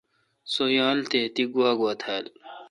سو یال تہ تی گوا گوا تھال ؟